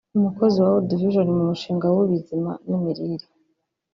umukozi wa World Vision mu mushinga w’ubizima n’imirire